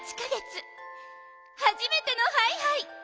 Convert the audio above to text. はじめてのハイハイ」。